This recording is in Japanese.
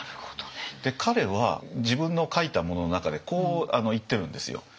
彼は自分の書いたものの中でこう言ってるんですよ。